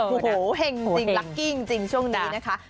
โอ้โหเห็งจริงลักกี้จริงช่วงนี้นะคะ